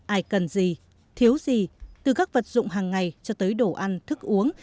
ai cần gì thiếu gì từ các vật dụng hàng ngày cho tới đồ ăn thức uống